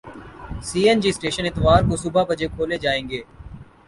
سی N G station اتوار کو صبح بجے کھولے جائیں گے